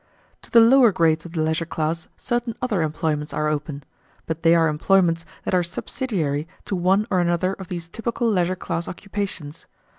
To the lower grades of the leisure class certain other employments are open, but they are employments that are subsidiary to one or another of these typical leisure class occupations.